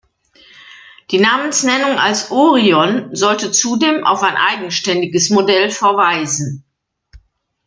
Die Namensnennung als „Orion“ sollte zudem auf ein eigenständiges Modell verweisen.